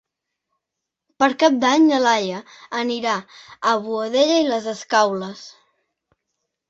Per Cap d'Any na Laia anirà a Boadella i les Escaules.